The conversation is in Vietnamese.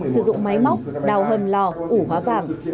sử dụng máy móc đào hầm lò ủ hóa vàng